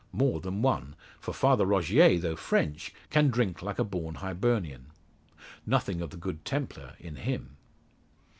More than one; for Father Rogier, though French, can drink like a born Hibernian. Nothing of the Good Templar in him.